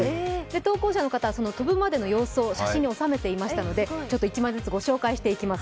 投稿者の方、飛ぶまでの様子を写真に収めていましたので、１枚ずつご紹介していきます。